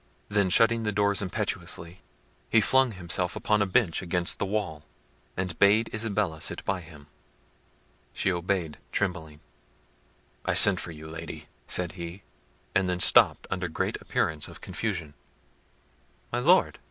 Then shutting the door impetuously, he flung himself upon a bench against the wall, and bade Isabella sit by him. She obeyed trembling. "I sent for you, Lady," said he—and then stopped under great appearance of confusion. "My Lord!"